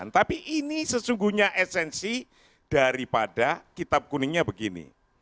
tapi ini sesungguhnya esensi daripada kitab kuningnya begini